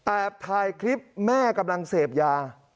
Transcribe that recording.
ถ่ายคลิปแม่กำลังเสพยา